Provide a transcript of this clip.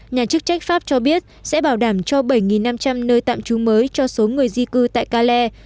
nhà chức trách pháp cho biết sẽ bảo đảm cho bảy năm trăm linh nơi tạm trú mới cho số người di cư tại kalley